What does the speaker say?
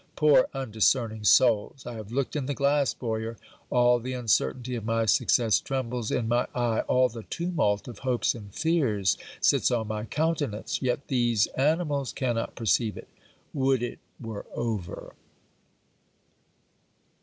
Poor undiscerning souls! I have looked in the glass, Boyer. All the uncertainty of my success trembles in my eye all the tumult of hopes and fears sits on my countenance: yet these animals cannot perceive it. Would it were over!